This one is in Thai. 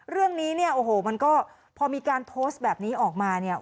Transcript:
เรื่องนี้เนี่ยโอ้โหมันก็พอมีการโพสต์แบบนี้ออกมาเนี่ย